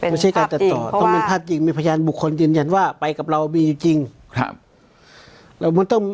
ไม่ใช่การตัดต่อต้องเป็นภาพจริงมีพยานบุคคลยืนยันว่าไปกับเรามีจริงครับ